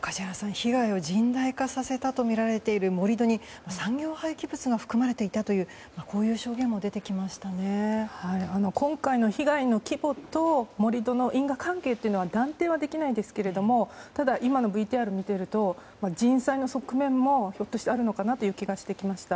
被害を甚大化させたとみられている盛り土に、産業廃棄物が含まれていたという今回の被害の規模と盛り土の因果関係は断定はできないですがただ、今のＶＴＲを見ていると人災の側面もひょっとして、あるのかなという気がしてきました。